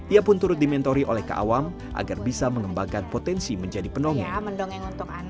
ia pun turut dimentori oleh keawam agar bisa mengembangkan potensi menjadi pendongeng